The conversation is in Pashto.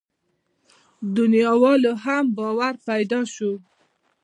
دنياوالو هم باور پيدا شو.